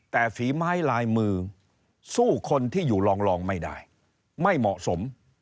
แต่ฝีไม้ลายมือสู้คนที่อยู่รองไม่ได้ไม่เหมาะสม